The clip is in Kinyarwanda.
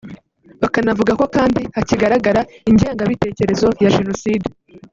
bakanavuga ko kandi hakigaragara ingengabitekerezo ya Jenoside